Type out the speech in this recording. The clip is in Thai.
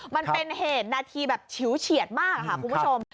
มันเป็นเหตุนาทีแบบฉิวเฉียดมากค่ะคุณผู้ชม